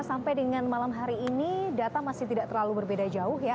sampai dengan malam hari ini data masih tidak terlalu berbeda jauh ya